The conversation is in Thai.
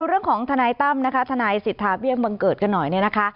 เรื่องของทนายตั้มนะคะทนายสิทธาเบี้ยบังเกิดกันหน่อยเนี่ยนะคะ